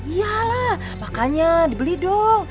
iya lah makanya dibeli dong